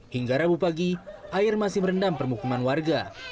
hingga rabu pagi air masih merendam permukiman warga